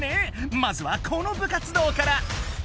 まずはこの部活動から！